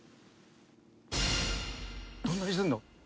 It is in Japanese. どんな味するの？